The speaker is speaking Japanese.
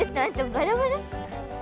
バラバラ？